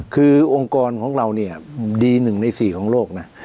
คือองค์กรของเราเนี่ยดี๑ใน๔ของโลกนะ